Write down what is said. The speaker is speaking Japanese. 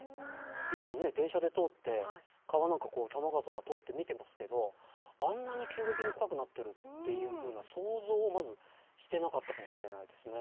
いつも電車で通って川なんか多摩川とか通って見てますけどあんなに急激に深くなってるっていうふうな想像をまずしてなかったかもしれないですね。